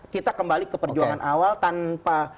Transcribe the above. kita kembali ke perjuangan awal tanpa